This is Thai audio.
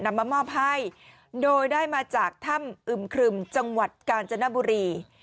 นำมามอบให้โดยได้มาจากถ้ำอึมครึมจังหวัดกาญจนบุรี